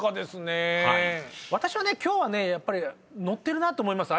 私はね今日はねやっぱりノッてると思います